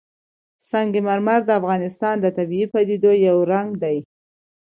سنگ مرمر د افغانستان د طبیعي پدیدو یو رنګ دی.